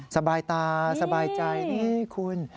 สบายตาสบายใจนี่คุณ